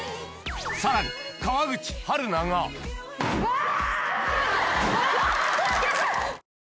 さらに川口春奈がわ！